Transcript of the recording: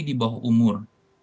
di bawah umur